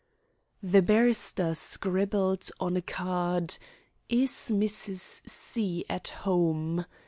The barrister scribbled on a card: "Is Mrs. C. at home?"